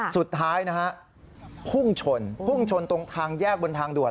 สุดท้ายนะฮะพุ่งชนพุ่งชนตรงทางแยกบนทางด่วน